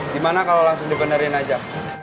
gimana kalau langsung dibenerin aja